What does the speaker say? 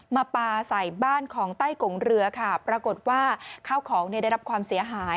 มาปลาใส่บ้านของใต้กงเรือค่ะปรากฏว่าข้าวของเนี่ยได้รับความเสียหาย